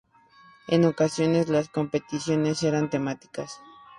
En ocasiones las competiciones eran temáticas.